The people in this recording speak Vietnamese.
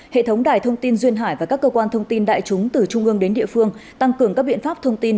hệ thống đài thông tin duyên hải và các cơ quan thông tin đại chúng từ trung ương đến địa phương tăng cường các biện pháp thông tin